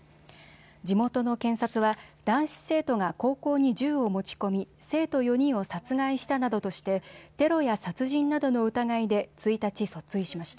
地元の検察は男子生徒が高校に銃を持ち込み、生徒４人を殺害したなどとしてテロや殺人などの疑いで１日、訴追しました。